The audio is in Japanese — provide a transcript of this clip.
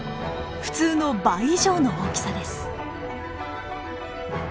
普通の倍以上の大きさです。